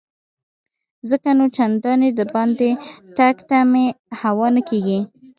ځکه نو چنداني دباندې تګ ته مې هوا نه کیږي.